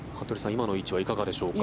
今の位置はいかがでしょうか。